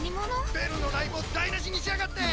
・ベルのライブを台無しにしやがって！